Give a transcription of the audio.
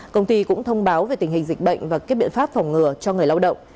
công ty cũng thông báo về tình hình dịch bệnh và các biện pháp phòng ngừa cho người lao động